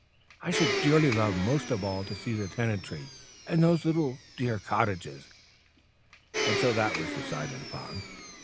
"I should dearly love most of all to see the tenantry and those dear little cottages." And so that was decided upon.